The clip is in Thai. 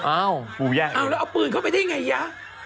อ้าวแล้วเอาปืนเข้าไปได้ยังไงเหรอ